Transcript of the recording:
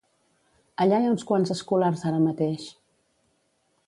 Allà hi ha uns quants escolars ara mateix.